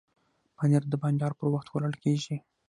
پنېر د بانډار پر وخت خوړل کېږي.